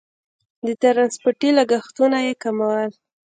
د ټرانسپورتي لګښتونه یې کمول.